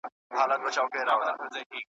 قلم ډک لرم له وینو نظم زما په وینو سور دی `